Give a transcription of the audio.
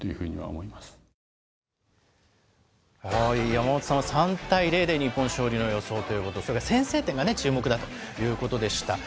山本さんは３対０で日本勝利の予想ということで、先制点がね、注目だということでした。